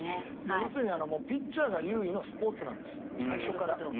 要するにピッチャーが優位のスポーツなんです、最初から。